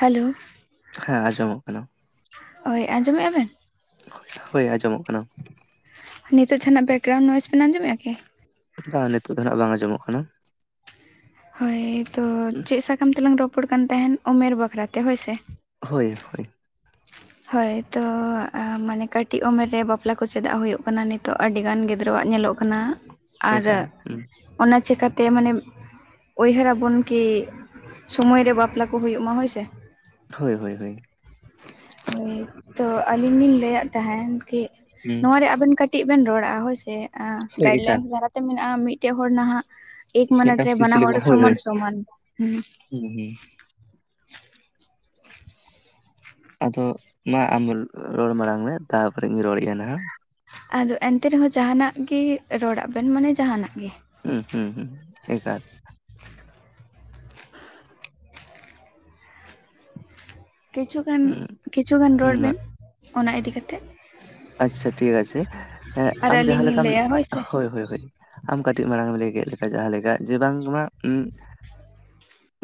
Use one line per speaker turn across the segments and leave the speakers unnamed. Hello
ᱦᱮᱸ ᱟᱸᱡᱚᱢᱚᱜ ᱠᱟᱱᱟ
ᱦᱳᱭ ᱟᱸᱡᱚᱢᱮᱫᱼᱟ ᱵᱮᱱ
ᱦᱳᱭ ᱟᱸᱡᱚᱢᱚᱜ ᱠᱟᱱᱟ
ᱱᱤᱛᱚᱜ ᱡᱟᱦᱱᱟᱜ ᱡᱟᱣ ᱱᱚᱚᱭᱡᱽ ᱵᱮᱱ ᱟᱡᱚᱢᱮᱫ ᱠᱤ
ᱱᱤᱛᱚᱜ ᱫᱚ ᱱᱟᱜ ᱵᱟᱝ ᱟᱸᱡᱚᱢᱚᱜ ᱠᱟᱱᱟ
ᱦᱳᱭ ᱛᱚ ᱪᱮᱫ ᱥᱟᱠᱟᱢ ᱛᱮᱞᱟᱝ ᱨᱚᱯᱚᱲ ᱠᱟᱱ ᱛᱟᱦᱮᱱ ᱩᱢᱮᱨ ᱵᱟᱠᱷᱨᱟ ᱛᱮ ᱦᱳᱭ ᱥᱮ
ᱦᱳᱭ ᱦᱳᱭ
ᱦᱳᱭ ᱛᱚ ᱢᱟᱱᱮ ᱠᱟᱹᱴᱤᱡ ᱩᱢᱮᱨ ᱨᱮ ᱵᱟᱯᱞᱟ ᱠᱚ ᱪᱮᱫᱟᱜ ᱦᱩᱭᱩᱜ ᱠᱟᱱᱟ ᱱᱤᱛᱚᱜ ᱟᱹᱰᱤ ᱜᱟᱱ ᱜᱤᱫᱽᱨᱟᱹᱣᱟᱜ ᱧᱮᱞᱚᱜ ᱠᱟᱱᱟ ᱠᱟᱱᱟ ᱟᱨ
ᱮᱠᱟᱞ ᱦᱩᱸ,
ᱚᱱᱟ ᱪᱤᱠᱟᱹᱛᱮ ᱢᱟᱱᱮ ᱩᱭᱦᱟᱹᱨᱟᱵᱚᱱ ᱠᱤ ᱥᱳᱢᱚᱭ ᱨᱮ ᱵᱟᱯᱞᱟ ᱠᱚ ᱦᱩᱭᱩᱜ ᱢᱟ ᱦᱳᱭ ᱥᱮ
ᱦᱳᱭ ᱦᱳᱭ ᱦᱳᱭ
ᱦᱳᱭ ᱛᱚ ᱟᱹᱞᱤᱧ ᱞᱤᱧ ᱞᱟᱹᱭᱫ ᱛᱟᱦᱮᱱ ᱠᱤ
ᱦᱩᱸ,
ᱱᱚᱣᱟᱣᱟᱨᱮ ᱟᱵᱮᱱ ᱠᱟᱹᱴᱤᱡ ᱠᱟᱹᱴᱤᱡ ᱵᱮᱱ ᱨᱚᱲᱟᱼᱟ ᱦᱳᱭᱥᱮ
ᱦᱳᱭ
ᱜᱟᱭᱤᱰ
ᱮᱠᱟᱞ
ᱞᱟᱭᱤᱱᱥ ᱫᱟᱨᱟᱛᱮ ᱢᱮᱱᱟᱜᱼᱟ ᱢᱤᱫᱴᱮᱡ ᱦᱚᱲ ᱱᱟᱦᱟᱜ ᱮᱠ ᱢᱤᱱᱤᱴ
ᱢᱤᱫᱴᱟᱝ
ᱨᱮ
ᱥᱯᱤᱪ
ᱵᱟᱱᱟ ᱦᱚᱲ
ᱞᱮᱠᱟ ᱦᱳᱭ
ᱥᱚᱢᱟᱱ
ᱦᱳᱭ
ᱥᱚᱢᱟᱱ ᱦᱮ
[unintelligible] ᱟᱫᱚ ᱢᱟ ᱟᱢ ᱨᱚᱲ ᱢᱟᱲᱟᱝ ᱢᱮ ᱛᱟᱯᱚᱨᱮᱧ ᱨᱚᱲᱮᱫᱼᱟ ᱱᱟᱦᱟᱜ
ᱟᱫᱚ ᱮᱱᱛᱮ ᱨᱮᱦᱚᱸ ᱡᱟᱦᱟᱱᱟᱜ ᱜᱮ ᱨᱚᱲᱟᱜ ᱵᱮᱱ ᱢᱟᱱᱮ ᱡᱟᱦᱟᱱᱟᱜ ᱜᱮ
ᱦᱩᱸ ᱦᱩᱸ ᱦᱩᱸ ᱮᱠᱟᱞ
ᱠᱤᱪᱷᱩᱜᱟᱱ
ᱦᱩᱸ
ᱠᱤᱪᱷᱩᱜᱟᱱ
ᱦᱩᱸ
ᱨᱚᱲ ᱵᱮᱱ ᱚᱱᱟ ᱤᱫᱤ ᱠᱟᱛᱮᱫ
ᱟᱪᱪᱷᱟ ᱴᱷᱤᱠ ᱟᱪᱷᱮᱸ
ᱟᱨ
ᱟᱢ
ᱟᱹᱞᱤᱧ
ᱡᱟᱦᱟᱸ
ᱞᱤᱧ
ᱞᱮᱠᱟᱢ
ᱞᱟᱹᱭᱟ ᱥᱮ
ᱦᱳᱭ ᱦᱳᱭ ᱦᱳ ᱟᱢ ᱠᱟᱹᱴᱤᱡ ᱢᱟᱲᱟᱝ ᱮᱢ ᱞᱮ ᱜᱮᱫ ᱞᱮᱠᱟ ᱡᱟᱦᱟᱸ ᱞᱮᱠᱟ ᱡᱮ ᱵᱟᱝ ᱢᱟ ᱩᱸ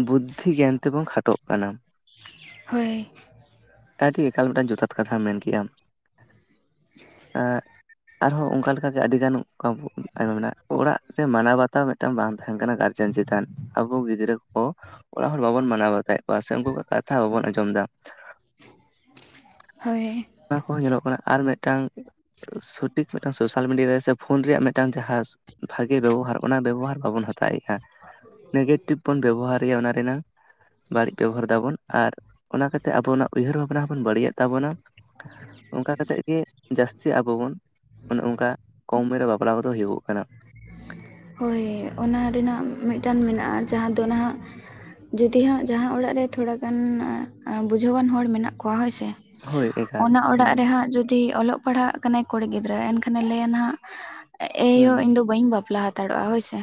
ᱵᱩᱫᱽᱫᱷᱤ ᱜᱮᱭᱟᱱ ᱛᱮᱵᱚᱱ ᱠᱷᱟᱴᱚᱜ ᱠᱟᱱᱟ
ᱦᱳᱭ
ᱟᱹᱰᱤ ᱮᱠᱟᱞ ᱢᱤᱫᱴᱟᱝ ᱡᱚᱛᱷᱟᱛ ᱠᱟᱛᱷᱟᱢ ᱢᱮᱱ ᱠᱮᱫᱮᱜᱼᱟ ᱮᱸ ᱟᱨᱦᱚᱸ ᱚᱱᱠᱟᱠᱟᱜ ᱟᱹᱰᱤ ᱜᱟᱱ ᱟᱭᱢᱟ ᱢᱮᱱᱟᱜᱼᱟ ᱚᱲᱟᱜ ᱨᱮ ᱢᱟᱱᱟᱣ ᱵᱟᱛᱟᱣ ᱢᱤᱫᱴᱟᱝ ᱵᱟᱝ ᱛᱟᱦᱮᱱ ᱠᱟᱱᱟ ᱜᱟᱨᱡᱮᱱ ᱪᱮᱛᱟᱱ ᱟᱵᱚ ᱜᱤᱫᱽᱨᱟᱹ ᱠᱚ ᱚᱲᱟᱜ ᱦᱚᱲ ᱵᱟᱵᱚᱱ ᱢᱟᱱᱟᱣ ᱵᱟᱛᱟᱭᱮᱫ ᱠᱚᱣᱟ ᱥᱮ ᱩᱱᱠᱩᱣᱟᱜ ᱠᱟᱛᱷᱟ ᱵᱟᱵᱚᱱ ᱟᱸᱡᱚᱢ ᱮᱫᱟ
ᱦᱳᱭ
ᱚᱱᱟ ᱠᱚᱦᱚᱸ ᱧᱮᱞᱚᱜ ᱠᱟᱱᱟ ᱟᱨ ᱢᱤᱫᱴᱟᱝ ᱥᱚᱴᱷᱤᱠ ᱢᱤᱫᱴᱟᱝ ᱥᱳᱥᱟᱞ ᱢᱤᱰᱤᱭᱟ ᱨᱮ ᱥᱮ ᱯᱷᱳᱱ ᱨᱮᱭᱟᱜ ᱢᱤᱫᱴᱟᱝ ᱡᱟᱦᱟᱸ ᱵᱷᱟᱜᱮ ᱵᱮᱵᱚᱦᱟᱨ ᱚᱱᱟ ᱵᱮᱵᱚᱦᱟᱨ ᱵᱟᱵᱚᱱ ᱦᱟᱛᱟᱣᱮᱫᱼᱟ ᱱᱮᱜᱮᱴᱤᱵᱷ ᱵᱚᱱ ᱵᱮᱵᱚᱦᱟᱨ ᱚᱱᱟ ᱨᱮᱱᱟᱜᱝ ᱵᱟᱹᱲᱤᱡ ᱵᱮᱵᱚᱦᱟᱨ ᱫᱫᱟᱵᱚᱱ ᱟᱨ ᱚᱱᱟ ᱠᱟᱛᱮ ᱟᱵᱚᱱᱟᱜ ᱩᱭᱦᱟᱹᱨ ᱵᱷᱟᱵᱱᱟ ᱦᱚᱸᱵᱚᱱ ᱵᱟᱹᱲᱤᱡᱮᱫ ᱛᱟᱵᱚᱱᱟ ᱚᱱᱠᱟ ᱠᱟᱛᱮᱫ ᱜᱮ ᱡᱟᱹᱥᱛᱤ ᱟᱵᱚ ᱵᱚᱱ ᱚᱱᱮ ᱚᱱᱠᱟ ᱠᱚᱢ ᱩᱢᱮᱨ ᱨᱮ ᱵᱟᱯᱞᱟ ᱠᱚᱫᱚ ᱦᱩᱭᱩᱜ ᱠᱟᱱᱟ
ᱦᱳᱭ ᱚᱱᱟ ᱨᱮᱱᱟᱜ ᱢᱤᱫᱴᱟᱱ ᱢᱮᱱᱟᱜᱼᱟ ᱡᱟᱦᱟᱸ ᱫᱚ ᱱᱟᱦᱟᱜ ᱡᱩᱫᱤ ᱦᱟᱸᱜ ᱡᱟᱦᱟᱸ ᱚᱲᱟᱜ ᱨᱮ ᱛᱷᱚᱲᱟ ᱜᱟᱱ ᱵᱩᱡᱷᱟᱹᱣᱟᱱ ᱦᱚᱲ ᱢᱮᱱᱟᱜ ᱠᱚᱣᱟ ᱦᱳᱭ ᱥᱮ
ᱦᱳᱭ ᱮᱠᱟᱞ
ᱚᱱᱟ ᱚᱲᱟᱜ
ᱦᱩᱸ
ᱨᱮᱦᱟᱸᱜ ᱡᱩᱫᱤ ᱚᱞᱚᱜ ᱯᱟᱲᱦᱟᱜ ᱠᱟᱱᱟᱭ ᱠᱩᱲᱤ ᱜᱤᱫᱽᱨᱟᱹ ᱮᱱᱠᱷᱟᱱᱮ ᱞᱟᱹᱭᱟ ᱱᱟᱦᱟᱜ ᱮᱭᱳ
ᱦᱩᱸ
ᱤᱧ ᱫᱚ ᱵᱟᱹᱧ ᱵᱟᱯᱞᱟ ᱦᱟᱛᱟᱲᱚᱜᱼᱟ ᱦᱳᱭ ᱥᱮ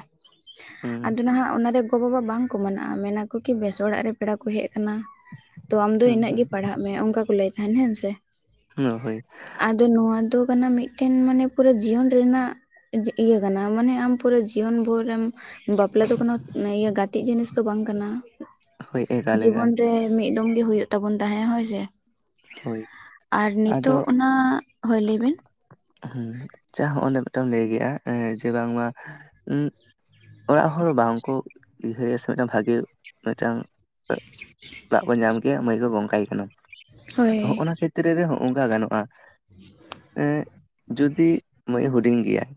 ᱦᱩᱸ
ᱟᱫᱚ ᱱᱟᱦᱟᱜ ᱚᱱᱟᱨᱮ ᱜᱚ ᱵᱟᱵᱟ ᱵᱟᱝ ᱠᱚ ᱢᱮᱱᱟ ᱟᱠᱚ ᱠᱤ ᱵᱮᱥ ᱚᱲᱟᱜ ᱨᱮ ᱯᱮᱲᱟ ᱠᱚ ᱦᱮᱡ ᱟᱠᱟᱱᱟ ᱛᱚ ᱟᱢ ᱫᱚ
ᱦᱩᱸ
ᱤᱱᱟᱹᱜ ᱜᱮ ᱯᱟᱲᱦᱟᱜ ᱢᱮ ᱚᱱᱠᱟ ᱠᱚ ᱞᱟᱹᱭ ᱛᱟᱦᱮᱱ ᱦᱮᱸ ᱥᱮ
ᱚ ᱦᱳᱭ
ᱟᱫᱚ ᱱᱚᱣᱟ ᱫᱚ ᱠᱟᱱᱟ ᱢᱤᱫᱴᱮᱱ ᱢᱟᱱᱮ ᱯᱩᱨᱟᱹ ᱡᱤᱭᱚᱱ ᱨᱮᱱᱟᱜ ᱤᱭᱟᱹ ᱠᱟᱱᱟ ᱢᱟᱱᱮ ᱟᱢ ᱯᱩᱨᱟᱹ ᱡᱤᱭᱚᱱ ᱵᱷᱳᱨᱢ ᱵᱟᱯᱞᱟ ᱫᱚ ᱠᱚᱱᱚ ᱤᱭᱟᱹ ᱠᱟᱛᱮᱜ ᱡᱤᱱᱤᱥ ᱫᱚ ᱵᱟᱝ ᱠᱟᱱᱟ
ᱦᱳᱭ ᱮᱠᱟᱞ ᱮᱠᱟᱞ
ᱡᱤᱵᱚᱱ ᱨᱮ ᱢᱤᱫ ᱫᱚᱢ ᱜᱮ ᱦᱩᱭᱩᱜ ᱛᱟᱵᱚᱱ ᱛᱟᱦᱮᱸ ᱦᱳᱭ ᱥᱮ
ᱦᱳᱭ
ᱟᱨ
ᱟᱫᱚ
ᱱᱤᱛᱳᱜ ᱚᱱᱟ ᱦᱳᱭ ᱞᱟᱹᱭ ᱵᱤᱱ
ᱦᱸ ᱪᱟ ᱦᱚᱸᱜ ᱚᱸᱰᱮ ᱢᱤᱫᱴᱢ ᱞᱟᱹᱭ ᱠᱮᱫᱭᱟ ᱡᱮ ᱵᱟᱝᱢᱟ ᱩᱜ ᱚᱲᱟᱜ ᱦᱚᱲ ᱵᱟᱝᱠᱚ ᱩᱭᱦᱟᱹᱨᱭᱟ ᱥᱮ ᱢᱤᱫᱴᱟᱝ ᱵᱷᱟᱜᱤ ᱢᱤᱫᱴᱟᱝ ᱚᱲᱟᱜ ᱠᱚ ᱧᱟᱢ ᱠᱮᱭᱟ ᱢᱟᱹᱭ ᱠᱚ ᱜᱚᱝ ᱠᱟᱭ ᱠᱟᱱᱟ
ᱦᱳᱭ
ᱟᱫᱚ ᱦᱚᱸᱜᱼ ᱱᱟ ᱠᱷᱮᱛᱨᱮ ᱨᱮ ᱦᱚᱸᱜᱚᱝᱠᱟ ᱜᱟᱱᱚᱜᱼᱟ ᱮᱜ ᱡᱩᱫᱤ ᱢᱟᱹᱭ ᱦᱩᱰᱤᱧ ᱜᱮᱭᱟᱭ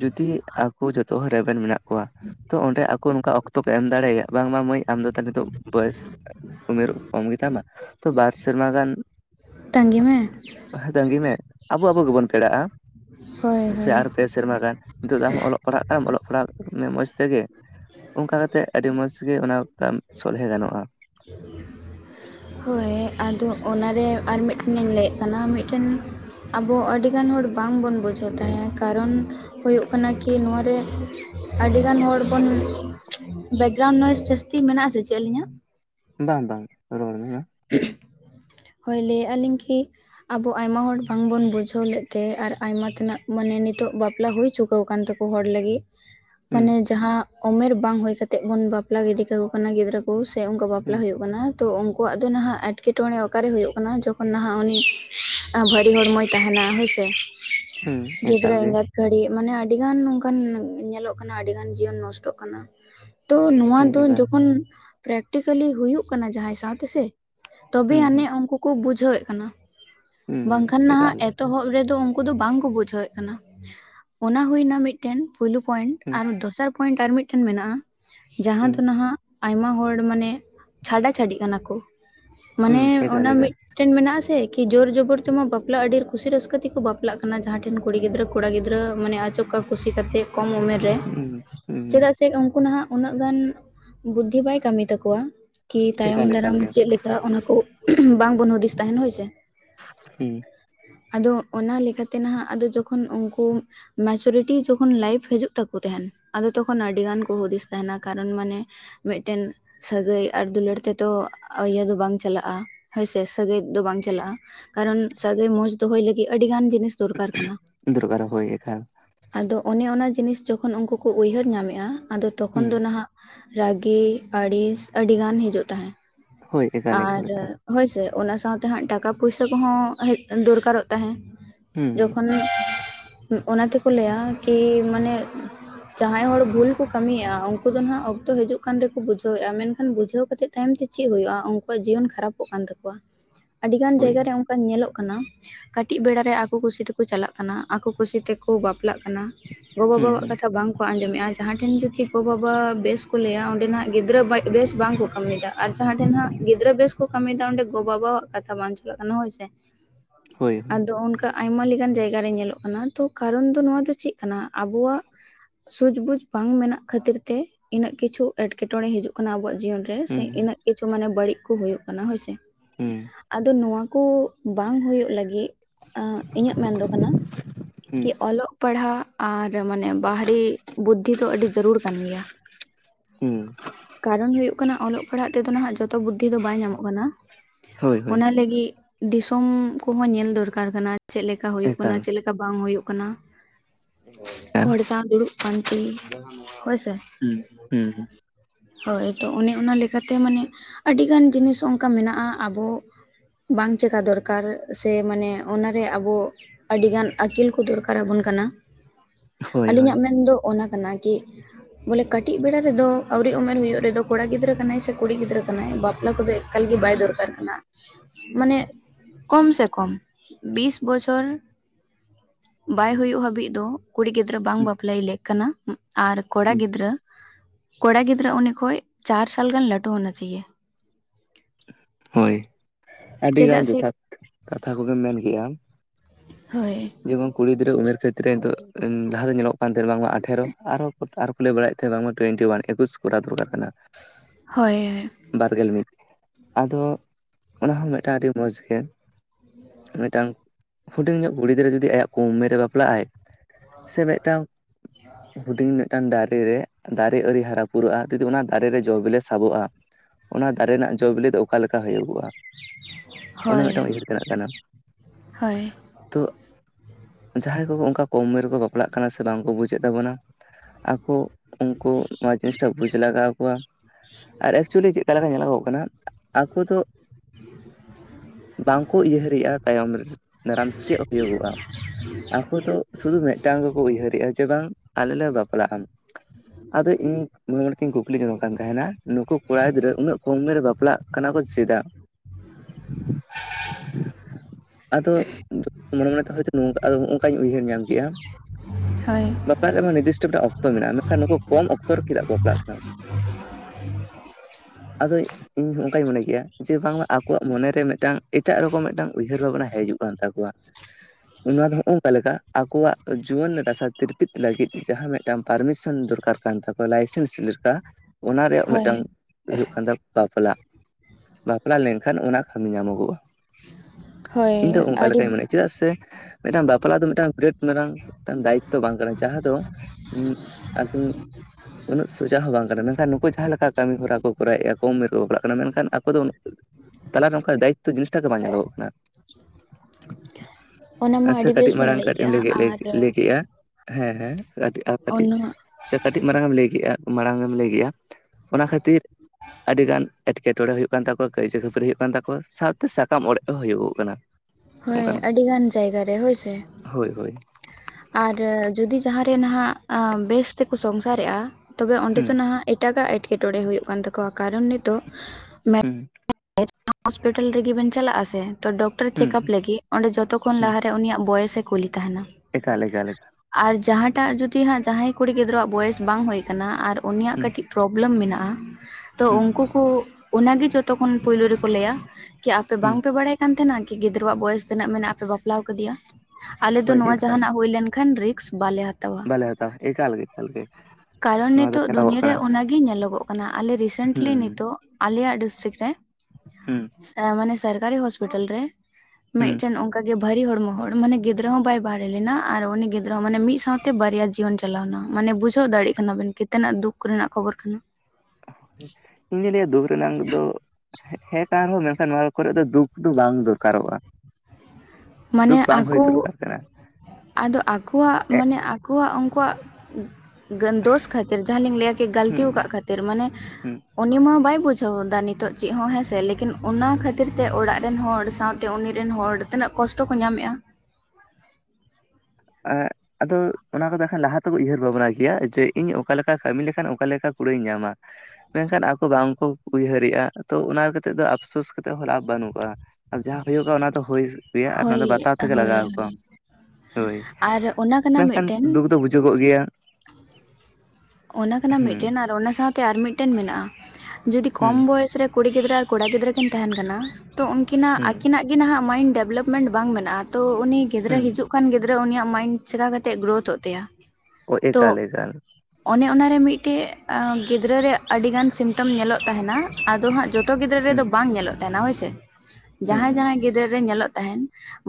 ᱡᱩᱫᱤ ᱟᱠᱚ ᱡᱚᱛᱚ ᱦᱚᱲ ᱨᱮᱵᱮᱱ ᱢᱮᱱᱟᱜ ᱠᱚᱣᱟ ᱛᱚ ᱚᱸᱰᱮ ᱟᱠᱚ ᱱᱚᱝᱠᱟ ᱚᱠᱛᱚ ᱠᱚ ᱮᱢ ᱫᱟᱲᱮᱣᱟᱭᱟ ᱵᱟᱝᱢᱟ ᱢᱟᱹᱭ ᱟᱢ ᱫᱚ ᱛᱟᱦᱚᱞᱮ ᱫᱚ ᱵᱚᱭᱮᱥ ᱩᱢᱮᱨ ᱠᱚᱢ ᱜᱮᱛᱟᱢᱟ ᱛᱚ ᱵᱟᱨ ᱥᱮᱨᱢᱟ ᱜᱟᱱ
ᱛᱟᱺᱜᱤ ᱢᱮ
ᱦᱮᱸ ᱛᱟᱸᱜᱤ ᱢᱮ ᱟᱵᱚ ᱟᱵᱚ ᱜᱮᱵᱚᱱ ᱯᱮᱲᱟᱜᱼᱟ
ᱦᱳᱭ
ᱥᱮ
ᱦᱳᱭ
ᱯᱮ ᱥᱮᱨᱢᱟ ᱜᱟᱱ ᱱᱤᱛᱚᱜ ᱫᱚ ᱟᱢ ᱚᱞᱚᱜ ᱯᱟᱲᱦᱟᱜ ᱠᱟᱱᱟᱢ ᱚᱞᱚᱜ ᱯᱟᱲᱦᱟᱜ ᱢᱚᱸᱡᱽ ᱛᱮᱜᱮ ᱚᱱᱠᱟ ᱠᱟᱛᱮᱜ ᱟᱹᱰᱤ ᱢᱚᱸᱡᱽ ᱜᱮ ᱚᱱᱟ ᱠᱚᱢ ᱥᱚᱞᱦᱮ ᱜᱟᱱᱚᱜᱼᱟ
ᱦᱳᱭ ᱟᱫᱚ ᱚᱱᱟᱨᱮ ᱟᱨ ᱢᱤᱫᱴᱮᱱ ᱤᱧ ᱞᱟᱹᱭᱮᱫ ᱠᱟᱱᱟ ᱢᱤᱫᱴᱮᱱ ᱟᱵᱚ ᱟᱹᱰᱤᱜᱟᱱ ᱦᱚᱲ ᱵᱟᱝᱵᱚᱱ ᱵᱩᱡᱷᱟᱹᱣ ᱛᱟᱦᱮᱸᱜ ᱠᱟᱨᱚᱱ ᱦᱩᱭᱩᱜ ᱠᱟᱱᱟ ᱠᱤ ᱱᱚᱣᱟᱨᱮ ᱟᱹᱰᱤᱜᱟᱱ ᱦᱚᱲ ᱵᱚᱱ ᱵᱮᱠᱜᱨᱟᱣᱩᱱᱰ ᱱᱚᱚᱭᱮᱥ ᱡᱟᱹᱥᱛᱤ ᱢᱮᱱᱟᱜ ᱟᱥᱮ ᱪᱮᱫ ᱟᱹᱞᱤᱧᱟᱹ?
ᱵᱟᱝ ᱵᱟᱝ ᱨᱚᱲ ᱢᱮ ᱢᱟ
[unintelligible] ᱦᱳᱭ ᱞᱟᱹᱭᱮᱜᱼᱟ ᱞᱤᱧ ᱠᱤ ᱟᱵᱚ ᱟᱭᱢᱟ ᱦᱚᱲ ᱵᱟᱝ ᱵᱩᱱ ᱵᱩᱡᱷᱟᱹᱣ ᱞᱮᱫ ᱛᱮ ᱟᱨ ᱟᱭᱢᱟ ᱛᱮᱱᱟᱜ ᱢᱟᱱᱮ ᱱᱤᱛᱚᱜ ᱵᱟᱯᱞᱟ ᱦᱩᱭ ᱪᱩᱠᱟᱹᱣ ᱟᱠᱟᱱ ᱛᱟᱠᱚᱣᱟ ᱦᱚᱲ ᱞᱟᱹᱜᱤᱫ
ᱦᱩᱸ
ᱢᱟᱱᱮ ᱡᱟᱦᱟᱸ ᱩᱢᱮᱨ ᱵᱟᱝ ᱦᱩᱭ ᱠᱟᱛᱮᱜ ᱵᱚᱱ ᱵᱟᱯᱞᱟ ᱜᱤᱰᱤ ᱠᱟᱠᱚ ᱠᱟᱱᱟ ᱜᱤᱫᱽᱨᱟᱹ ᱠᱩ ᱥᱮ ᱚᱱᱠᱟ ᱵᱟᱯᱞᱟ
ᱦᱩᱸ
ᱦᱩᱭᱩᱜ ᱠᱟᱱᱟ ᱛᱚ ᱩᱱᱠᱩᱣᱟᱜ ᱫᱚ ᱱᱟᱦᱟᱜ ᱮᱴᱠᱮᱴᱚᱬᱮ ᱚᱠ ᱚᱠᱟᱨᱮ ᱦᱩᱭᱩᱜ ᱠᱟᱱᱟ ᱡᱚᱠᱷᱚᱱ ᱱᱟᱦᱟᱜ ᱩᱱᱤ ᱵᱷᱟᱹᱨᱤ ᱦᱚᱲᱢᱚᱭ ᱛᱟᱦᱮᱱᱟ ᱦᱳᱭ ᱥᱮ
ᱦᱩᱸ ᱮᱠᱟᱞ
ᱜᱤᱫᱽᱨᱟᱹ
ᱜᱮ
ᱮᱸᱜᱟᱛ ᱜᱟᱹᱲᱤ ᱢᱟᱱᱮ ᱟᱹᱰᱤ ᱜᱟᱱ ᱱᱚᱝᱠᱟᱱ ᱧᱮᱞᱚᱜ ᱠᱟᱱᱟ ᱟᱹᱰᱤ ᱜᱟᱱ ᱡᱤᱭᱚᱱ ᱱᱚᱥᱴᱚᱜ ᱠᱟᱱᱟ ᱛᱚ ᱱᱚᱣᱟ
ᱦᱳᱭ
ᱫᱚ
ᱮᱠᱟᱞ
ᱡᱚᱠᱷᱚᱱ ᱯᱨᱮᱠᱴᱤᱠᱮᱞᱤ ᱦᱩᱭᱩᱜ ᱠᱟᱱᱟ ᱡᱟᱦᱟᱸᱭ ᱥᱟᱶᱛᱮᱥᱮ ᱛᱚᱵᱮ
ᱦᱩᱸ ᱦᱩᱸ
ᱟᱹᱱᱤᱡ ᱩᱱᱠᱩ ᱠᱚ ᱵᱩᱡᱷᱟᱹᱣᱮᱫ ᱠᱟᱱᱟ
ᱦᱩᱸ ᱦᱩᱸ
ᱵᱟᱝᱠᱷᱟᱱ ᱱᱟᱦᱟᱜ
ᱮᱠᱟᱞ
ᱮᱛᱚᱦᱚᱵ ᱨᱮᱫᱚ ᱩᱱᱫᱚ ᱵᱟᱝ ᱠᱚ ᱵᱩᱡᱷᱟᱹᱣ ᱮᱫ ᱠᱟᱱᱟ ᱚᱱᱟ ᱦᱩᱭᱱᱟ ᱢᱤᱫᱴᱮᱱ ᱯᱳᱭᱞᱳ ᱯᱚᱭᱮᱱᱴ
ᱦᱩᱸ
ᱟᱨ ᱫᱚᱥᱟᱨ ᱯᱚᱭᱮᱱᱴ ᱟᱨ ᱢᱤᱫᱴᱮᱱ ᱢᱮᱱᱟᱜᱼᱟ ᱡᱟᱦᱟᱸ
ᱦᱩᱸ
ᱫᱚ ᱱᱟᱦᱟᱜ ᱟᱭᱢᱟ ᱦᱚᱲ ᱢᱟᱱᱮ ᱪᱷᱟᱰᱟ ᱪᱷᱟᱰᱤᱜ ᱠᱟᱱᱟ ᱠᱚ
ᱦᱩᱸ
ᱢᱟᱱᱮ
ᱮᱠᱟᱞ
ᱚᱱᱟ
ᱮᱠᱟᱞ
ᱢᱤᱫ ᱴᱷᱮᱱ ᱢᱮᱱᱟᱜ ᱟᱥᱮ ᱠᱤ ᱡᱳᱨ ᱡᱳᱚᱵᱨ ᱛᱮᱢᱟᱚ ᱵᱟᱯᱞᱟ ᱟᱹᱰᱤ ᱠᱩᱥᱤ ᱨᱟᱹᱥᱠᱟᱹ ᱛᱮᱠᱚ ᱵᱟᱯᱞᱟᱜ ᱠᱟᱱᱟ ᱡᱟᱦᱟᱸ ᱴᱷᱮᱱ ᱠᱚ ᱠᱩᱲᱤ ᱜᱤᱫᱽᱨᱟᱹ ᱠᱚᱲᱟ ᱜᱤᱫᱽᱨᱟᱹ ᱢᱟᱱᱮ ᱟᱪᱚᱠ ᱠᱟ ᱠᱩᱥᱤ ᱠᱟ ᱠᱟᱛᱮᱜ ᱠᱚᱢ ᱩᱢᱮᱨ ᱨᱮ
ᱦᱩᱸ ᱦᱩᱸ
ᱪᱮᱫᱟᱜ ᱥᱮ ᱩᱱᱠᱩ ᱱᱟᱦᱟᱜ ᱩᱱᱟᱹᱜ ᱜᱟᱱ ᱵᱩᱫᱽᱫᱷᱤ ᱵᱟᱭ ᱠᱟᱹᱢᱤ ᱛᱟᱠᱚᱣᱟ ᱠᱤ ᱛᱟᱭᱚᱢ
ᱮᱠᱟᱞ ᱮᱠᱟᱞ
ᱫᱟᱨᱟᱢ
ᱜᱮ
ᱪᱮᱫ ᱞᱮᱠᱟ ᱚᱱᱟ ᱠᱚ ᱵᱟᱝ ᱵᱚᱱ ᱦᱩᱫᱤᱥ ᱛᱟᱦᱮᱱ ᱦᱳᱭᱥᱮ᱾
ᱦᱩᱸ
ᱟᱫᱚ ᱚᱱᱟ ᱞᱮᱠᱟᱛᱮ ᱱᱟᱦᱟᱜ ᱟᱫᱚ ᱡᱚᱠᱷᱚᱱ ᱩᱱᱠᱩ ᱢᱮᱪᱩᱨᱤᱴᱤ ᱡᱚᱠᱷᱚᱱ ᱞᱟᱭᱤᱯᱷ ᱦᱤᱡᱩᱜ ᱛᱟᱠᱚ ᱛᱟᱦᱮᱸᱱ ᱟᱫᱚ ᱛᱚᱠᱷᱚᱱ ᱟᱹᱰᱤᱜᱟᱱ ᱠᱚ ᱦᱩᱫᱤᱥ ᱛᱟᱦᱮᱱᱟ ᱠᱟᱨᱚᱱ ᱢᱟᱱᱮ ᱢᱤᱫᱴᱮᱱ ᱥᱟᱹᱜᱟᱹᱭ ᱟᱨ ᱫᱩᱞᱟᱹᱲ ᱛᱮᱫᱚ ᱤᱭᱟᱹ ᱫᱚ ᱵᱟᱝ ᱪᱟᱞᱟᱜᱼᱟ ᱦᱳᱭᱥᱮ ᱥᱟᱹᱜᱟᱹᱭ ᱫᱚ ᱵᱟᱝ ᱪᱟᱞᱟᱜᱼᱟ ᱠᱟᱨᱚᱱ ᱥᱟᱹᱜᱟᱹᱭ ᱢᱚᱸᱡᱽ ᱫᱚᱦᱚᱭ ᱞᱟᱹᱜᱤᱫ ᱟᱹᱰᱤᱜᱟᱱ ᱡᱤᱱᱤᱥ ᱫᱚᱨᱠᱟᱨ ᱠᱟᱱᱟ
ᱫᱚᱨᱠᱟᱨᱟ ᱦᱳᱭ ᱮᱠᱟᱞ
ᱟᱫᱚ ᱚᱱᱮ ᱚᱱᱟ ᱡᱤᱱᱤᱥ ᱡᱚᱠᱷᱚᱱ ᱩᱱᱠᱩ ᱠᱚ ᱩᱭᱦᱟᱹᱨ ᱧᱟᱢᱮᱫᱼᱟ ᱟᱫᱚ ᱛᱚᱠᱷᱚᱱ
ᱦᱩᱸ
ᱫᱚ ᱱᱟᱦᱟᱜ ᱨᱟᱹᱜᱤ ᱟᱹᱲᱤᱥ ᱟᱹᱰᱤ ᱜᱟᱱ ᱦᱤᱡᱩᱜ ᱛᱟᱦᱮᱸᱜ
ᱦᱳᱭ ᱮᱠᱟᱞ
ᱟᱨ
ᱮᱠᱟᱞ ᱮᱠᱟᱞ
ᱦᱳᱭ ᱥᱮ ᱚᱱᱟ ᱥᱟᱶᱛᱮ ᱦᱟᱸᱜ ᱴᱟᱠᱟ ᱯᱩᱭᱥᱟᱹ ᱠᱚᱦᱚᱸ ᱫᱚᱨᱠᱟᱨᱚᱜ ᱛᱟᱦᱮᱸ
ᱦᱩᱸ ᱦᱩᱸ
ᱡᱚᱠᱷᱚᱱ ᱚᱱᱟ ᱛᱮᱠᱚ ᱞᱟᱹᱭᱟ ᱠᱤ ᱢᱟᱱᱮ ᱡᱟᱦᱟᱸᱭ ᱦᱚᱲ ᱵᱷᱩᱞ ᱠᱚ ᱠᱟᱹᱢᱤᱭᱮᱫᱼᱟ ᱩᱱᱠᱩ ᱫᱚ ᱱᱟᱦᱟᱜ ᱚᱠᱛᱚ ᱦᱤᱡᱩᱜ ᱠᱟᱱ ᱨᱮᱠᱚ ᱵᱩᱡᱷᱟᱹᱣᱮᱫᱼᱟ ᱢᱮᱱᱠᱷᱟᱱ ᱵᱩᱡᱷᱟᱹᱣ ᱠᱟᱛᱮᱫ ᱛᱟᱭᱚᱢ ᱛᱮ ᱪᱮᱫ ᱦᱩᱭᱩᱜᱼᱟ ᱩᱱᱠᱩᱣᱟᱜ ᱡᱤᱭᱚᱱ ᱠᱷᱟᱨᱟᱯᱚᱜ ᱠᱟᱱ ᱛᱟᱠᱚᱣᱟ ᱟᱹᱰᱤ ᱜᱟᱱ
ᱦᱳᱭ
ᱡᱟᱭᱜᱟ ᱨᱮ᱾ ᱧᱮᱞᱚᱜ ᱠᱟᱱᱟ ᱠᱟᱹᱴᱤᱡ ᱵᱮᱲᱟ ᱨᱮ ᱟᱠᱚ ᱠᱩᱥᱤ ᱛᱮᱠᱚ ᱪᱟᱞᱟᱜ ᱠᱟᱱᱟ ᱟᱠᱚ ᱠᱩᱥᱤ ᱛᱮᱠᱚ ᱵᱟᱯᱞᱟᱜ ᱠᱟᱱᱟ᱾
ᱦᱩᱸ
ᱜᱚᱜᱚᱼᱵᱟᱵᱟᱣᱟᱜ
ᱦᱩᱸ
ᱠᱟᱛᱷᱟ ᱵᱟᱝ ᱠᱚ ᱟᱸᱡᱚᱢᱮᱫᱼᱟ ᱡᱟᱦᱟᱸ ᱴᱷᱮᱱ ᱡᱩᱫᱤ ᱜᱚ ᱵᱟᱵᱟ ᱵᱮᱥ ᱠᱚ ᱞᱟᱹᱭᱟ ᱚᱸᱰᱮᱱᱟᱜ ᱜᱤᱫᱽᱨᱟᱹ ᱵᱮᱥ ᱵᱟᱝᱠᱚ ᱠᱟᱹᱢᱤᱭᱮᱫᱟ᱾ ᱟᱨ ᱡᱟᱦᱟᱸ ᱴᱷᱮᱱ ᱦᱟᱸᱜ ᱜᱤᱫᱽᱨᱟᱹ ᱵᱮᱥ ᱠᱟᱹᱢᱤᱭᱮᱫᱟ ᱚᱸᱰᱮ ᱜᱚ ᱵᱟᱵᱟᱣᱟᱜ ᱠᱟᱛᱷᱟ ᱵᱟᱝ ᱪᱟᱞᱟᱜ ᱠᱟᱱᱟ ᱦᱳᱣ
ᱦᱳᱭ ᱦᱳᱭ
ᱱᱮ ᱟᱭᱢᱟ ᱞᱮᱠᱟᱱ ᱡᱟᱭᱜᱟ ᱨᱮ ᱧᱮᱞᱚᱜ ᱠᱟᱱᱟ ᱛᱚ ᱠᱟᱨᱚᱱ ᱫᱚ ᱱᱚᱣᱟ ᱫᱚ ᱪᱮᱫ ᱠᱟᱱᱟ ᱟᱵᱚᱣᱟᱜ ᱥᱩᱪ ᱵᱩᱡ ᱵᱟᱝ ᱢᱮᱱᱟᱜ ᱠᱷᱟᱹᱛᱤᱨ ᱛᱮ ᱤᱱᱟᱹᱜ ᱠᱤᱪᱷᱩ ᱮᱴᱠᱮᱴᱚᱬᱮ ᱦᱤᱡᱩᱜ ᱟᱵᱚᱣᱟᱜ ᱡᱤᱭᱚᱱ ᱨᱮ ᱥᱮ
ᱦᱩᱸ ᱦᱩᱸ
ᱤᱱᱟᱹᱜ ᱠᱤᱪᱷᱩ ᱢᱟᱱᱮ ᱵᱟᱹᱲᱤᱡ ᱠᱚ ᱦᱩᱭᱩᱜ ᱠᱟᱱᱟ ᱦᱳᱭᱥᱮ
ᱦᱩᱸ
ᱟᱫᱚ ᱱᱚᱣᱟ ᱠᱚ ᱵᱟᱝ ᱦᱩᱭᱩᱜ ᱞᱟᱹᱜᱤᱫ ᱤᱧᱟᱹᱜ ᱢᱮᱱ ᱫᱚ ᱠᱟᱱᱟ
ᱦᱩᱸ
ᱠᱤ ᱚᱞᱚᱜ ᱯᱟᱲᱦᱟᱜ ᱟᱨ ᱢᱟᱱᱮ ᱵᱟᱦᱨᱮ ᱵᱩᱫᱽᱫᱷᱤ ᱫᱚ ᱟᱹᱰᱤ ᱡᱚᱹᱨᱩᱲ ᱠᱟᱱ ᱜᱮᱭᱟ᱾
ᱦᱩᱸ
ᱠᱟᱨᱚᱱ ᱦᱩᱭᱩᱜ ᱠᱟᱱᱟ ᱠᱟᱱᱟ ᱚᱞᱚᱜ ᱯᱟᱲᱦᱟᱜ ᱛᱮᱫᱚ ᱱᱟᱦᱟᱜ ᱡᱚᱛᱚ ᱵᱩᱫᱽᱫᱷᱤ ᱫᱚ ᱵᱟᱭ ᱧᱟᱢᱚᱜ ᱠᱟᱱᱟ
ᱦᱳᱭ ᱦᱳᱭ
ᱚᱱᱟ ᱞᱟᱹᱜᱤᱫ᱾ ᱫᱤᱥᱚᱢ ᱠᱚᱦᱚᱸ ᱧᱮᱞ ᱫᱚᱨᱠᱟᱨ ᱠᱟᱱᱟ ᱪᱮᱫ ᱞᱮᱠᱟ ᱦᱩᱭᱩᱜ ᱠᱟᱱᱟ
ᱮᱠᱟᱞ
ᱪᱮᱫ ᱞᱮᱠᱟ ᱵᱟᱝ ᱦᱩᱭᱩᱜ ᱠᱟᱱᱟ᱾
ᱮᱠᱟᱞ ᱮᱠᱟᱞ
ᱦᱚᱲ ᱥᱟᱶ ᱫᱩᱲᱩᱵ ᱯᱟᱱᱛᱮ ᱦᱳᱭ ᱥᱮ᱾
ᱦᱩᱸ ᱦᱩᱸ
ᱦᱳᱭ ᱛᱚ ᱚᱱᱮ ᱚᱱᱟ ᱞᱮᱠᱟᱛᱮ ᱢᱟᱱᱮ ᱟᱹᱰᱤᱜᱟᱱ ᱡᱤᱱᱤᱥ ᱚᱱᱠᱟ ᱢᱮᱱᱟᱜᱼᱟ ᱟᱵᱚ ᱵᱟᱝ ᱪᱮᱠᱟ ᱫᱚᱨᱠᱟᱨ ᱥᱮ ᱢᱟᱱᱮ ᱚᱱᱟᱨᱮ ᱟᱵᱚ ᱟᱹᱰᱤᱜᱟᱱ ᱟᱹᱠᱤᱞ ᱠᱚ ᱫᱚᱨᱠᱟᱨ ᱟᱵᱚᱱ ᱠᱟᱱᱟ
ᱦᱳᱭ ᱦᱳᱭ
ᱟᱹᱞᱤᱧᱟᱜ ᱢᱮᱱᱫᱚ ᱚᱱᱟ ᱠᱟᱱᱟ ᱜᱤ᱾ ᱵᱚᱞᱮ ᱠᱟᱹᱴᱤᱡ ᱵᱮᱲᱟ ᱨᱮᱫᱚ ᱟᱹᱣᱨᱤ ᱩᱢᱮᱨ ᱦᱩᱭᱩᱜ ᱨᱮᱫᱚ ᱠᱚᱲᱟ ᱜᱤᱫᱽᱨᱟᱹ ᱠᱟᱱᱟᱭ ᱥᱮ ᱠᱩᱲᱤ ᱜᱤᱫᱽᱨᱟᱹ ᱠᱟᱱᱟᱭ ᱵᱟᱯᱞᱟ ᱠᱚᱫᱚ ᱮ ᱮᱠᱟᱞ ᱜᱮ ᱵᱟᱭ ᱫᱚᱨᱠᱟᱨ ᱠᱟᱱᱟ᱾ ᱢᱟᱱᱮ ᱠᱚᱢ ᱥᱮ ᱠᱚᱢ ᱵᱤᱥ ᱵᱚᱪᱷᱚᱨ᱾ ᱵᱟᱭ ᱦᱩᱭᱩᱜ ᱦᱟᱹᱵᱤᱡ ᱫᱚ᱾ ᱠᱩᱲᱤ ᱜᱤᱫᱽᱨᱟᱹ ᱵᱟᱝ ᱵᱟᱯᱞᱟᱭ ᱞᱮᱜ ᱠᱟᱱᱟ ᱟᱨ ᱠᱚᱲᱟ ᱜᱤᱫᱽᱨᱟᱹ ᱠᱚᱲᱟ ᱜᱤᱫᱽᱨᱟᱹ ᱩᱱᱤ ᱠᱷᱚᱡ ᱪᱟᱨ ᱥᱟᱞ ᱜᱟᱱ ᱞᱟᱹᱴᱩ ᱦᱳᱱᱟ ᱪᱚᱦᱤᱭᱮ᱾
ᱦᱳᱭ
ᱪᱮᱫᱟᱜ
ᱟᱹᱰᱤᱜᱟᱱ
ᱥᱮ
ᱡᱚᱛᱷᱟᱛ ᱠᱟᱛᱷᱟ ᱠᱚᱜᱮᱢ ᱢᱮᱱ ᱠᱮᱜᱼᱟ᱾
ᱦᱳᱭ᱾
ᱡᱮᱢᱚᱱ ᱠᱩᱲᱤ ᱜᱤᱫᱽᱨᱟᱹ ᱩᱢᱮᱨ ᱠᱷᱮᱛ ᱨᱮ ᱫᱚ ᱞᱟᱦᱟ ᱫᱚ ᱧᱮᱞᱚᱜ ᱠᱟᱱ ᱛᱟᱦᱮ, ᱵᱟᱝ ᱢᱟ ᱟᱴᱷᱮᱨᱚ ᱟᱨᱚ ᱠᱷᱩᱞᱟᱹ ᱵᱟᱲᱟᱭᱮᱫ ᱛᱟᱦᱮᱸ ᱵᱟᱝᱢ ᱟ ᱴᱩᱭᱮᱱᱴᱤ ᱳᱭᱟᱱ ᱮᱠᱩᱥ ᱠᱚᱨᱟᱶ ᱫᱚᱨᱠᱟᱨ ᱠᱟᱱᱟ?
ᱦᱳᱭ᱾
ᱵᱟᱨᱜᱮᱞ ᱢᱤᱫ ᱟᱫᱚ ᱚᱱᱟ ᱦᱚᱸ ᱢᱤᱫᱴᱟᱝ ᱟᱹᱰᱤ ᱢᱚᱡᱽ ᱜᱮ ᱢᱤᱫᱴᱟᱝ ᱦᱩᱰᱤᱧ ᱧᱚᱜ ᱠᱩᱲᱤ ᱜᱤᱫᱽᱨᱟᱹ ᱡᱩᱫᱤ ᱟᱭᱟᱜ ᱠᱚᱢ ᱩᱢᱮᱨ ᱨᱮ ᱵᱟᱯᱞᱟ ᱟᱭ ᱥᱮ ᱢᱤᱫᱴᱟᱝ ᱦᱩᱰᱤᱧ ᱧᱚᱜ ᱢᱤᱫᱴᱟᱝ ᱫᱟᱨᱮ ᱨᱮ ᱫᱟᱨᱮ ᱟᱹᱣᱨᱤ ᱦᱟᱨᱟ ᱯᱩᱨᱟᱹᱜᱼᱟ ᱡᱩᱫᱤ ᱚᱱᱟ ᱫᱟᱨᱮ ᱨᱮ ᱡᱚ ᱵᱮᱞᱮ ᱥᱟᱵᱚᱜᱼᱟ᱾ ᱚᱱᱟ ᱫᱟᱨᱮ ᱨᱮᱱᱟᱜ ᱡᱚ ᱵᱤᱞᱤ ᱫᱚ ᱚᱠᱟᱞᱮᱠᱟ ᱦᱩᱭᱩᱜᱚᱜᱼᱟ ᱚᱱᱟ
ᱦᱳᱭ
ᱢᱤᱫᱴᱟᱝ ᱩᱭᱦᱟᱹᱨ ᱛᱮᱱᱟᱜ ᱠᱟᱱᱟ᱾
ᱦᱳᱭ
ᱛᱚ
[inaudible]
ᱡᱟᱦᱟᱸᱭ ᱠᱚ ᱚᱱᱠᱟ ᱠᱚᱢ ᱩᱢᱮᱨ ᱨᱮᱠᱚ ᱵᱟᱯᱞᱟᱜ ᱠᱟᱱᱟ ᱥᱮ ᱵᱟᱝᱠᱚ ᱵᱩᱡᱮᱫ ᱛᱟᱵᱚᱱᱟ᱾ ᱟᱠᱚ ᱩᱱᱠᱩ ᱱᱚᱣᱟ ᱡᱤᱱᱤᱥ ᱴᱟᱜ ᱵᱩᱡᱽ ᱞᱮᱟᱜᱟᱣ ᱟᱠᱚᱣᱟ ᱟᱨ ᱮᱠᱪᱩᱭᱮᱞᱤ ᱪᱮᱫᱠᱟ ᱞᱮᱠᱟ ᱧᱮᱞᱚᱜᱚᱜ ᱠᱟᱱᱟ ᱟᱠᱚ ᱫᱚ
[inaudible]
ᱵᱟᱝ ᱠᱚ ᱩᱭᱦᱟᱹᱨᱮᱜᱼᱟ, ᱛᱟᱭᱚᱢ ᱫᱟᱨᱟᱢ ᱪᱮᱫ ᱦᱩᱭᱩᱜᱼᱟ? ᱟᱠᱚ ᱫᱚ ᱥᱩᱫᱷᱩ ᱢᱤᱫᱴᱟᱝ ᱜᱮᱠᱚ ᱩᱭᱦᱟᱹᱨᱮᱜᱼᱟ ᱡᱮ ᱵᱟᱝ ᱟᱞᱮ ᱞᱮ ᱵᱟᱯᱞᱟᱜᱼᱟ? ᱟᱫᱚ ᱤᱧ ᱢᱟᱢᱮ‌ ᱢᱟᱢᱮ ᱛᱤᱧ ᱠᱩᱠᱞᱤ ᱡᱚᱸᱧᱚᱜ ᱠᱟᱱ ᱛᱟᱦᱮᱱᱟ ᱱᱩᱠᱩ ᱠᱚᱲᱟ ᱜᱤᱫᱽᱨᱟᱹ ᱩᱱᱟᱹᱜ ᱠᱚᱢᱮᱨ ᱨᱮ ᱵᱟᱯᱞᱟᱜ ᱠᱟᱱᱟ ᱠᱚ ᱪᱮᱫᱟ᱾ ᱟᱫᱚ ᱢᱚᱱᱮ ᱢᱚᱱᱮᱛᱮ ᱦᱚᱭ ᱛᱚᱫᱚ ᱦᱚᱸ ᱱᱚᱝᱠᱟᱧ ᱩᱭᱦᱟᱹᱨ ᱧᱟᱢ ᱠᱮᱫᱮᱜᱼᱟ᱾ [inaudible]
ᱦᱳᱭ
ᱵᱟᱯᱞᱟᱜ ᱨᱮᱢᱟ ᱱᱤᱨᱫᱤᱥᱴ ᱢᱤᱫᱴᱮᱱ ᱚᱠᱛᱚ ᱢᱮᱱᱟᱜᱼᱟ ᱢᱮᱱᱠᱷᱟᱱ ᱱᱩᱠᱩ ᱠᱚᱢ ᱚᱠᱛᱚ ᱨᱮ ᱪᱮᱫᱟᱜ ᱠᱚ ᱵᱟᱯᱞᱟᱜ ᱠᱟᱱᱟ᱾ ᱟᱫᱚ ᱤᱧ ᱦᱚᱸ ᱚᱱᱠᱟᱧ ᱢᱚᱱᱮ ᱠᱮᱭᱟ ᱡᱮ ᱵᱟᱝᱢᱟ ᱟᱠᱚᱣᱟᱜ ᱢᱚᱱᱮᱨᱮ ᱢᱤᱫᱴᱟᱝ ᱮᱴᱟᱜ ᱨᱚᱠᱚᱢ ᱢᱤᱫᱴᱟᱝ ᱩᱭᱦᱟᱹᱨ ᱵᱷᱟᱵᱽᱱᱟ ᱦᱤᱡᱩᱜ ᱠᱟᱱ ᱛᱟᱠᱚᱣᱟ ᱚᱱᱟ ᱫᱚ ᱦᱚᱸᱜ ᱚᱝᱠᱟ ᱞᱮᱠᱟ ᱟᱠᱚᱣᱟᱜ ᱡᱩᱣᱟᱹᱱ ᱨᱟᱥᱟ ᱛᱤᱨᱯᱤᱫ ᱞᱟᱹᱜᱤᱫ ᱡᱟᱦᱟᱸ ᱢᱤᱫ ᱢᱤᱫᱴᱟᱝ ᱯᱟᱨᱢᱤᱥᱚᱱ ᱫᱚᱨᱠᱟᱨ ᱠᱟᱱ ᱛᱟᱠᱚᱣᱟ ᱞᱟᱭᱥᱮᱱᱥ ᱞᱮᱠᱟ ᱚᱱᱟ ᱨᱮᱭᱟᱜ
ᱦᱳᱭ
ᱢᱤᱫᱴᱟᱝ ᱦᱩᱭᱩᱜᱳᱭᱳ ᱠᱟᱱ ᱵᱟᱯᱞᱟᱜ ᱵᱟᱯᱞᱟ ᱞᱮᱱᱠᱷᱟᱱ ᱚᱱᱟ ᱠᱟᱹᱢᱤ ᱧᱟᱢᱚᱜᱚᱜ-ᱟ
ᱦᱳᱭ
ᱤᱧ ᱫᱚ ᱚᱱᱠᱟ
ᱟᱹᱰᱤ
ᱞᱮᱠᱟᱧ ᱢᱚᱱᱮᱭᱟ ᱪᱮᱫᱟᱜ ᱥᱮ ᱢᱤᱫᱴᱟᱝ ᱵᱟᱯᱞᱟ ᱫᱚ ᱢᱤᱫᱴᱟᱝ ᱵᱤᱨᱟᱹᱴ ᱢᱟᱨᱟᱝ ᱢᱤᱫᱟᱝ ᱫᱟᱭᱤᱛᱛᱚ ᱵᱟᱝ ᱠᱟᱱᱟ ᱡᱟᱦᱟᱸ ᱫᱚ ᱦ ᱟᱨᱠᱷ ᱩᱱᱟᱹᱜ [unintelligible] ᱥᱚᱡᱟ ᱦᱚᱸ ᱵᱟᱝ ᱠᱟᱱᱟ ᱢᱮᱱᱠᱷᱟᱱ ᱱᱩᱠᱩ ᱡᱟᱦᱟᱸ ᱞᱮᱠᱟ ᱠᱟᱹᱢᱤ ᱦᱚᱨᱟ ᱠᱚᱨᱟᱣᱮᱫᱼᱟ ᱠᱚᱢ ᱩᱢᱮᱨ ᱠᱚ ᱵᱟᱯᱞᱟᱜ ᱠᱟᱱᱟ ᱢᱮᱱᱠᱷᱟᱱ ᱟᱠᱚ ᱫᱚ ᱛᱟᱞᱟᱨᱮ ᱚᱱᱠᱟ ᱫᱟᱭᱤᱛᱛᱚ ᱡᱤᱱᱤᱥ ᱴᱟᱜ ᱜᱮ ᱵᱟᱝ ᱧᱮᱞᱚᱜᱚᱜ ᱠᱟᱱᱟ
ᱚᱱᱟ ᱢᱟ
ᱟᱪᱪᱷᱟ
ᱟᱹᱰᱤ ᱵᱮᱥ
ᱠᱟᱹᱴᱤᱡ
ᱵᱮᱱ
ᱢᱟᱲᱟᱝ ᱠᱟᱹᱴᱤᱡ ᱮᱢ ᱞᱟᱹᱭ
ᱠᱮᱜᱼᱟ ᱟᱨ
ᱠᱮᱫᱮᱜ-ᱟ [unintelligible] ᱦᱮᱸ ᱦᱮᱸ ᱟᱹᱰᱤ ᱟᱹᱰᱤ
ᱚᱱᱟ
ᱥᱮ ᱠᱟᱹᱴᱤᱡ ᱢᱟᱨᱟᱝ ᱮᱢ ᱞᱟᱹᱭ ᱠᱮᱫ-ᱟ ᱢᱟᱲᱟᱝ ᱮᱢ ᱞᱟᱹᱭ ᱠᱮᱫ-ᱟ ᱚᱱᱟ ᱠᱷᱟᱹᱛᱤᱨ ᱟᱹᱰᱤ ᱜᱟᱱ ᱮᱸᱴᱠᱮᱴᱚᱬᱮ ᱦᱩᱭᱩᱜ ᱠᱟᱱ ᱛᱟᱠᱚᱣᱟ ᱠᱟᱹᱭᱡᱟᱹ ᱠᱷᱟᱹᱯᱟᱹᱨᱤ ᱦᱩᱭᱩᱜ ᱠᱟᱱ ᱛᱟᱠᱚᱣᱟ ᱥᱟᱶᱛᱮ ᱥᱟᱠᱟᱢ ᱚᱲᱮᱡ ᱦᱚᱸ ᱦᱩᱭᱩᱜ ᱠᱟᱱᱟ
ᱦᱳᱭ
ᱚᱱᱠᱟᱱ
ᱟᱹᱰᱤ ᱜᱟᱱ ᱡᱟᱭᱜᱟ ᱨᱮ ᱦᱳᱭ ᱥᱮᱮ
ᱦᱳᱭ ᱦᱳᱭ
ᱟᱨ ᱡᱩᱫᱤ ᱡᱟᱦᱟᱸᱨᱮ ᱱᱟᱦᱟᱜ ᱵᱮᱥ ᱛᱮᱠᱚ ᱥᱚᱝᱥᱟᱨᱮᱜ-ᱟ ᱛᱚᱵᱮ ᱚᱸᱰᱮ
ᱦᱩᱸ
ᱫᱚ ᱱᱟᱦᱟᱜ ᱮᱴᱟᱜᱟᱜ ᱮᱸᱴᱠᱮᱴᱚᱬᱮ ᱦᱩᱭᱩᱜ ᱠᱟᱱ ᱛᱟᱠᱚᱣᱟ ᱠᱟᱨᱚᱱ ᱱᱤᱛᱚᱜ
ᱦᱮᱸ
ᱦᱚᱥᱯᱤᱴᱟᱞ ᱨᱮᱜᱮᱵᱤᱱ ᱪᱟᱞᱟᱜ ᱟᱥᱮ ᱛᱚ ᱰᱚᱠᱴᱚᱨ
ᱦᱩᱸ
ᱪᱮᱠᱟᱯ ᱞᱟᱹᱜᱤᱫ ᱚᱸᱰᱮ ᱡᱚᱛᱚ ᱠᱷᱚᱱ
ᱦᱩᱸ
ᱞᱟᱦᱟᱨᱮ ᱩᱱᱤᱭᱟᱜ ᱵᱚᱭᱮᱥᱮ ᱠᱩᱞᱤ ᱛᱟᱦᱮᱱᱟ
ᱮᱠᱟᱞ ᱮᱠᱟᱞ ᱮᱠᱟᱞ
ᱟᱨ ᱡᱟᱦᱟᱸᱴᱟᱜ ᱡᱩᱫᱤ ᱦᱟᱸᱜ ᱡᱟᱦᱟᱸᱭ ᱠᱩᱲᱤ ᱜᱤᱫᱽᱨᱟᱹᱣᱟᱜ ᱵᱚᱭᱮᱥ ᱵᱟᱝ ᱦᱩᱭ ᱟᱠᱟᱱᱟ ᱟᱨ ᱩᱱᱤᱭᱟᱜ
ᱦᱩᱸ
ᱠᱟᱹᱴᱤᱡ ᱯᱨᱚᱵᱞᱮᱢ ᱢᱮᱱᱟᱜᱼᱟ ᱛᱚ
ᱦᱩᱸ
ᱩᱱᱠᱩ ᱠᱚ ᱚᱱᱟᱜᱮ ᱡᱚᱛᱚ ᱠᱷᱚᱱ ᱯᱳᱩᱭᱞᱳ ᱨᱮ ᱞᱟᱹᱭᱟ ᱠᱤ ᱟᱯᱮ
ᱦᱩᱸ
ᱵᱟᱝᱯᱮ ᱵᱟᱲᱟᱭ ᱠᱟᱱ ᱛᱟᱦᱮᱱᱟ ᱠᱤ ᱜᱤᱫᱽᱨᱟᱹᱣᱟᱜ ᱵᱚᱭᱮᱥ ᱛᱤᱱᱟᱹᱜ ᱢᱮᱱᱟᱜ-ᱟ ᱯᱮ ᱵᱟᱯᱞᱟᱣ ᱠᱟᱫᱮᱭᱟ ᱟᱞᱮ ᱫᱚ
ᱦᱳᱭ
ᱱᱚᱣᱟ
ᱮᱠᱟᱞ
ᱡᱟᱦᱱᱟᱜ ᱦᱩᱭ ᱞᱮᱱᱠᱷᱟᱱ ᱨᱤᱠᱥ ᱵᱟᱞᱮ ᱦᱟᱛᱟᱣᱟ ᱦᱟᱛᱟᱣᱟ
ᱵᱟᱞᱮ ᱦᱟᱛᱟᱣᱟ ᱮᱠᱟᱞ ᱜᱮ ᱮᱠᱟᱞ ᱜᱮ
ᱠᱟᱨᱚᱱ
ᱱᱚᱣᱟ ᱫᱚ
ᱱᱤᱛᱚᱜ
ᱧᱮᱞᱚᱜᱚᱜ
ᱫᱩᱱᱭᱟᱹ ᱨᱮ
ᱠᱟᱱᱟ
ᱚᱱᱟᱜᱮ ᱜᱮ ᱧᱮᱞᱚᱜᱚᱜ ᱠᱟᱱᱟ ᱟᱞᱮ ᱨᱤᱥᱮᱱᱴᱞᱤ
ᱦᱩᱸ
ᱱᱤᱛᱚᱜ ᱟᱞᱮᱭᱟᱜ ᱰᱤᱥᱴᱤᱠ ᱨᱮ
ᱦᱩᱸ
ᱢᱟᱱᱮ ᱥᱚᱨᱠᱟᱨᱤ ᱦᱚᱥᱯᱤᱴᱟᱞ ᱨᱮ
ᱦᱩᱸ
ᱢᱤᱫᱴᱮᱱ ᱚᱱᱠᱟ ᱚᱱᱠᱟᱜᱮ ᱵᱷᱟᱹᱨᱤ ᱦᱚᱲᱢᱚ ᱦᱚᱲ ᱢᱟᱱᱮ ᱜᱤᱫᱽᱨᱟᱹ ᱦᱚᱸ ᱵᱟᱭ ᱵᱟᱦᱨᱮ ᱞᱮᱱᱟ ᱟᱨ ᱩᱱᱤ ᱜᱤᱫᱽᱨᱟᱹ ᱦᱚᱸ ᱢᱟᱱᱮ ᱢᱤᱫ ᱥᱟᱶᱛᱮ ᱵᱟᱨᱭᱟ ᱡᱤᱭᱚᱱ ᱪᱟᱞᱟᱣᱱᱟ ᱢᱟᱱᱮ ᱵᱩᱡᱷᱟᱹᱣ ᱫᱟᱲᱮᱜ ᱠᱟᱱᱟ ᱵᱮᱱ ᱠᱤ ᱛᱤᱱᱟᱹᱜ ᱫᱩᱠ ᱨᱮᱱᱟᱜ ᱠᱷᱚᱵᱚᱨ ᱠᱟᱱᱟ
ᱤᱧᱫᱩᱧ ᱞᱟᱹᱭᱟ ᱫᱩᱠ ᱨᱮᱱᱟᱜ ᱫᱚ ᱦᱮᱸ ᱠᱟᱱ ᱨᱮᱦᱚᱸ ᱢᱮᱱᱠᱷᱟᱱ ᱱᱚᱣᱟ ᱠᱚᱨᱮ ᱫᱚ ᱫᱩᱠ ᱫᱚ ᱵᱟᱝ ᱫᱚᱨᱠᱟᱨᱚᱜᱼᱟ
ᱢᱟᱱᱮ
ᱫᱩᱠ ᱵᱟᱝ ᱦᱩᱭ
ᱟᱠᱚ
ᱫᱚᱨᱠᱟᱨ ᱠᱟᱱᱟ
ᱟᱫᱚ ᱟᱠᱚᱣᱟᱜ
ᱮᱸᱜ
ᱢᱟᱱᱮ ᱟᱠᱚᱣᱟᱜ ᱩᱱᱠᱩᱣᱟᱜ ᱫᱳᱥ ᱠᱷᱟᱹᱛᱤᱨ ᱡᱟᱦᱟᱸ ᱞᱤᱧ ᱞᱟᱹᱭᱟ ᱠᱤ ᱜᱟᱹᱞᱛᱤ
ᱦᱩᱸ
ᱟᱠᱟᱫ ᱠᱷᱟᱹᱛᱤᱨ ᱠᱷᱟᱹᱛᱤᱨ ᱢᱟᱱᱮ
ᱦᱩᱸ
ᱩᱱᱤ ᱢᱟ ᱵᱟᱭ ᱵᱩᱡᱷᱟᱹᱣ ᱮᱫᱟ ᱱᱤᱛᱚᱜ ᱪᱮᱫ ᱦᱚᱸ ᱦᱮᱸᱥᱮ
ᱦᱩᱸ
ᱞᱮᱠᱤᱱ ᱚᱱᱟ ᱠᱷᱟᱹᱛᱤᱨ ᱠᱷᱟᱹᱛᱤᱨ ᱛᱮ ᱚᱲᱟᱜ ᱨᱮᱱ ᱦᱚᱲ ᱥᱟᱶᱛᱮ ᱩᱱᱤ ᱨᱮᱱ ᱦᱚᱲ ᱛᱤᱱᱟᱹᱜ ᱠᱚᱥᱴᱚ ᱠᱚ ᱧᱟᱢᱮᱫ-ᱟ
ᱮᱸ ᱟᱫᱚ ᱚᱱᱟ ᱠᱚᱫᱚ ᱮᱠᱷᱟᱱ ᱞᱟᱦᱟ ᱛᱮᱠᱚ ᱩᱭᱦᱟᱹᱨ ᱵᱷᱟᱵᱽᱱᱟ ᱜᱮᱭᱟ ᱡᱮ ᱤᱧ ᱚᱠᱟ ᱞᱮᱠᱟ ᱠᱟᱹᱢᱤ ᱞᱮᱠᱷᱟᱱ ᱚᱠᱟ ᱞᱮᱠᱟ ᱠᱩᱲᱟᱹᱭᱧ ᱧᱟᱢᱟ᱾ ᱢᱮᱱᱠᱷᱟᱱ ᱟᱠᱚ ᱵᱟᱝᱠᱚ ᱩᱭᱦᱟᱹᱨᱮᱜ-ᱟ ᱛᱚ ᱚᱱᱟ ᱠᱟᱛᱮ ᱫᱚ ᱟᱯᱥᱳᱥ ᱠᱟᱛᱮᱫ ᱦᱚᱸ ᱞᱟᱵᱷ ᱵᱟᱹᱱᱩᱜᱼᱟ ᱟᱨ ᱡᱟᱦᱟᱸ ᱦᱩᱭᱩᱜ-ᱟ ᱚᱱᱟ ᱫᱚ ᱦᱩᱭ ᱜᱮᱭᱟ ᱟᱨ ᱚᱱᱟ
ᱦᱳᱭ
ᱫᱚ ᱵᱟᱛᱟᱣ ᱛᱮᱜᱮ
ᱦᱳᱭ
ᱞᱟᱜᱟᱣ ᱟᱠᱚᱣᱟ
ᱦᱳᱭ
ᱦᱳᱭ
ᱟᱨ ᱚᱱᱟ ᱠᱟᱱᱟ
ᱢᱮᱱᱠᱷᱟᱱ
ᱢᱤᱫᱴᱮᱱ
ᱫᱩᱠ ᱫᱚ ᱵᱩᱡᱩᱜᱚᱜ ᱜᱮᱭᱟ
ᱚᱱᱟ ᱠᱟᱱᱟ
ᱦᱩᱸ
ᱢᱤᱫᱴᱮᱱ ᱟᱨ ᱚᱱᱟ ᱥᱟᱶᱛᱮ ᱟᱨ ᱢᱤᱫᱴᱮᱱ ᱢᱮᱱᱟᱜ-ᱟ ᱡᱩᱫᱤ
ᱦᱩᱸ
ᱠᱚᱢ ᱵᱚᱭᱮᱥ ᱨᱮ ᱠᱩᱲᱤ ᱜᱤᱫᱽᱨᱟᱹ ᱟᱨ ᱠᱚᱲᱟ ᱜᱤᱫᱽᱨᱟᱹ ᱠᱤᱱ ᱛᱟᱦᱮᱱ ᱠᱟᱱᱟ ᱛᱚ ᱩᱱ ᱩᱱᱠᱤᱱᱟᱜ
ᱦᱩᱸ
ᱟᱹᱠᱤᱱᱟᱜ ᱜᱮ ᱱᱟᱦᱟᱜ ᱢᱟᱭᱤᱱᱰ ᱰᱮᱵᱷᱞᱚᱯᱢᱮᱱᱴ ᱵᱟᱝ ᱢᱮᱱᱟᱜ-ᱟ ᱛᱚ ᱩᱱᱤ ᱜᱤᱫᱽᱨᱟᱹ
ᱦᱩᱸ
ᱦᱤᱡᱩᱜ ᱠᱟᱱ ᱜᱤᱫᱽᱨᱟᱹ ᱩᱱᱤᱭᱟᱜ ᱢᱟᱭᱤᱱᱰ ᱪᱮᱠᱟ ᱠᱟᱛᱮᱜ ᱜᱨᱳᱛᱚᱜ ᱛᱟᱭᱟ ᱛᱚ
ᱮᱠᱟᱞ ᱮᱠᱟᱞ
ᱚᱱᱮ ᱚᱱᱟᱨᱮ ᱢᱤᱫᱴᱮᱡ ᱜᱤᱫᱽᱨᱟᱹ ᱨᱮ ᱟᱹᱰᱤ ᱜᱟᱱ ᱥᱤᱢᱴᱢ ᱧᱮᱞᱚᱜ ᱛᱟᱦᱮᱱᱟ ᱟᱫᱚ ᱦᱟᱸᱜ ᱡᱚᱛᱚ ᱡᱷᱚᱛᱚ ᱜᱤᱫᱽᱨᱟᱹ ᱨᱮᱫᱚ
ᱦᱩᱸ
ᱵᱟᱝ ᱧᱮᱞᱚᱜ ᱛᱟᱦᱮᱱᱟ ᱦᱳᱭᱥᱮ ᱡᱟᱦᱟᱸᱭ
ᱦᱩᱸ
ᱡᱟᱦᱟᱸᱭ ᱜᱤᱫᱽᱨᱟᱹ ᱨᱮ ᱧᱮᱞᱚᱜ ᱛᱟᱦᱮᱱ,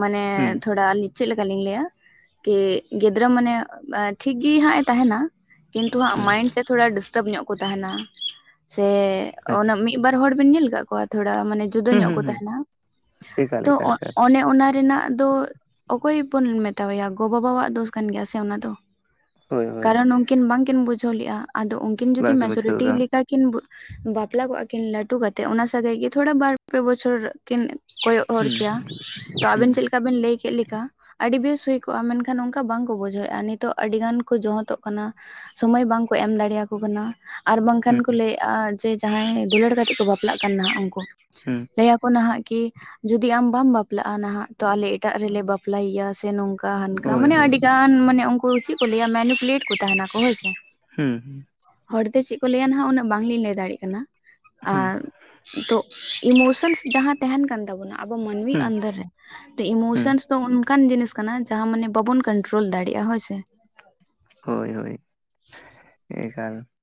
ᱢᱟᱱᱮ
ᱦᱩᱸ
ᱛᱷᱚᱲᱟ ᱟᱞᱤ ᱪᱮᱫ ᱞᱮᱠᱟᱞᱤᱧ ᱞᱟᱹᱭᱟ, ᱠᱮ ᱜᱤᱫᱽᱨᱟᱹ ᱢᱟᱱᱮ ᱴᱷᱤᱠ ᱜᱮ ᱦᱟᱸᱜ ᱮ ᱛᱟᱦᱮᱱᱟ᱾ ᱠᱤᱱᱛᱩ ᱦᱟᱸᱜ
ᱦᱩᱸ
ᱢᱟᱭᱤᱱᱰ ᱛᱮ ᱛᱷᱚᱲᱟ ᱰᱤᱥᱴᱟᱵᱽ ᱧᱚᱜ ᱠᱚ ᱛᱟᱦᱮᱱᱟ, ᱥᱮ ᱚᱱᱟ
ᱟᱪᱪᱷᱟ
ᱢᱤᱫ ᱢᱤᱫ ᱵᱟᱨ ᱦᱚᱲ ᱵᱮᱱ ᱧᱮᱞ ᱟᱠᱟᱫ ᱠᱚᱣᱟ ᱛᱷᱚᱲᱟ ᱢᱟᱱᱮ ᱡᱩᱫᱟᱹ
ᱦᱩᱸ
ᱧᱚᱜ
ᱦᱩᱸ
ᱠᱚ
ᱦᱩᱸ
ᱛᱟᱦᱮᱱᱟ
ᱮᱠᱟᱞ
ᱛᱚ
ᱮᱠᱟᱞ ᱮᱠᱟᱞ
ᱚᱱᱮ ᱚᱱᱟ ᱨᱮᱱᱟᱜ ᱫᱚ ᱚᱠᱚᱭ ᱵᱚᱱ ᱢᱮᱛᱟᱣᱟᱭᱟ ᱜᱚ ᱵᱟᱵᱟᱣᱟᱜ ᱫᱳᱥ ᱠᱟᱱ ᱜᱮᱭᱟ ᱥᱮ ᱚᱱᱟ ᱫᱚ?
ᱦᱳᱭ ᱦᱳᱭ
ᱠᱟᱨᱚᱱ ᱩᱱᱠᱤᱱ ᱵᱟᱝᱠᱤᱱ ᱵᱩᱡᱷᱟᱹᱣ ᱞᱮᱼᱟ ᱟᱫᱚ ᱩᱱᱠᱤᱱ ᱡᱩᱫᱤ
ᱵᱟᱝ ᱜᱮ ᱵᱩᱡᱷᱟᱹᱣ
ᱢᱮᱡᱚᱨᱤᱴᱤ
ᱠᱟᱱᱟ
ᱞᱮᱠᱟ ᱠᱤᱱ ᱵᱟᱯᱞᱟ ᱠᱚᱜᱼᱟ ᱠᱤᱱ ᱞᱟᱹᱴᱩ ᱠᱟᱛᱮᱫ ᱚᱱᱟ ᱥᱟᱹᱜᱟᱹᱭ ᱜᱮ ᱛᱷᱚᱲᱟ ᱵᱟᱨ ᱯᱮ ᱵᱚᱪᱷᱚᱨ ᱠᱤᱱ- ᱠᱚᱭᱚᱜ ᱦᱚᱨ
ᱦᱩᱸ
ᱠᱮᱭᱟ ᱛᱚ
ᱦᱩᱸ
ᱟᱵᱮᱱ ᱪᱮᱫ ᱞᱮᱠᱟ ᱵᱮᱱ ᱞᱟᱹᱭ ᱠᱮᱫ ᱞᱮᱠᱟ ᱟᱹᱰᱤ ᱵᱮᱥ ᱦᱩᱭ ᱠᱚᱜᱼᱟ, ᱢᱮᱱᱠᱷᱟᱱ ᱚᱱᱠᱟ ᱵᱟᱝᱠᱚ ᱵᱩᱡᱷᱟᱹᱣᱮᱫᱼᱟ ᱱᱤᱛᱚᱜ ᱟᱹᱰᱤ ᱜᱟᱱ ᱠᱚ ᱡᱚᱦᱚᱫᱚᱜ ᱠᱟᱱᱟ᱾ ᱥᱚᱢᱚᱭ ᱵᱟᱝᱠᱚ ᱮᱢ ᱫᱟᱲᱮᱭᱟ ᱠᱚ ᱠᱟᱱᱟ ᱾ ᱟᱨ ᱵᱟᱝᱠᱷᱟᱱ ᱠᱚ
ᱦᱩᱸ
ᱞᱟᱹᱭᱮᱫᱼᱟ ᱡᱮ ᱡᱟᱦᱟᱸᱭ ᱫᱩᱞᱟᱹᱲ ᱠᱟᱛᱮᱜ ᱠᱚ ᱵᱟᱯᱞᱟᱜ ᱠᱟᱱᱟᱜ ᱩᱱᱠᱩ,
ᱦᱩᱸ
ᱞᱟᱹᱭ ᱱᱟᱦᱟᱜ ᱠᱤ ᱡᱩᱫᱤ ᱟᱢ ᱵᱟᱢ ᱵᱟᱯᱞᱟᱜᱼᱟ, ᱱᱟᱦᱟᱜ ᱛᱚ ᱟᱞᱮ ᱮᱴᱟᱜ ᱨᱮᱞᱮ ᱵᱟᱯᱞᱟᱭᱮᱭᱟ ᱥᱮ ᱱᱚᱝᱠᱟ ᱾ ᱚᱱᱠᱟ ᱦᱟᱱᱠᱟ
ᱦᱳᱭ
ᱢᱟᱱᱮ
ᱦᱳᱭ
ᱟᱹᱰᱤ ᱜᱟᱱ ᱢᱟᱱᱮ ᱩᱱᱠᱩ ᱪᱮᱫ ᱠᱚ ᱞᱟᱹᱭᱟ ᱢᱮᱱᱩᱠᱩᱞᱮᱴ ᱠᱚ ᱛᱟᱦᱮᱱᱟ ᱠᱚ ᱦᱳᱭᱥᱮ᱾
ᱦᱩᱸ
ᱦᱚᱲᱛᱮ ᱪᱮᱫ ᱠᱚ ᱞᱟᱹᱭᱟ ᱱᱟᱦᱟᱜ ᱩᱱᱟᱹᱜ ᱵᱟᱝᱞᱤᱧ ᱞᱟᱹᱭ ᱫᱟᱲᱮᱭᱟᱜ ᱠᱟᱱᱟ ᱾
ᱦᱩᱸ
ᱟᱨ ᱱᱤᱛᱚᱜ ᱤᱢᱳᱥᱮᱱᱥ ᱡᱟᱦᱟᱸ ᱛᱟᱦᱮᱱ ᱠᱟᱱ ᱛᱟᱵᱚᱱᱟ, ᱟᱵᱚ ᱢᱟᱹᱱᱢᱤ
ᱦᱩᱸ
ᱚᱱᱫᱚᱨ ᱛᱚ
ᱦᱩᱸ
ᱤᱢᱳᱥᱚᱱᱥ ᱫᱚ ᱚᱱᱠᱟᱱ ᱡᱤᱱᱤᱥ ᱠᱟᱱᱟ, ᱡᱟᱦᱟᱸ ᱢᱟᱱᱮ ᱵᱟᱵᱚᱱ ᱠᱚᱱᱴᱨᱳᱞ ᱫᱟᱲᱮᱭᱟᱜᱼᱟ, ᱦᱳᱭᱥᱮ?
ᱦᱳᱭ ᱦᱳᱭ
[inaudible]
ᱮᱠᱟᱞ